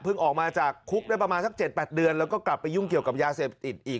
ออกมาจากคุกได้ประมาณสัก๗๘เดือนแล้วก็กลับไปยุ่งเกี่ยวกับยาเสพติดอีก